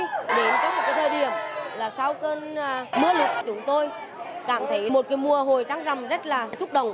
đến trong một thời điểm là sau cơn mưa lụt chúng tôi cảm thấy một mùa hồi trắng rằm rất là xúc động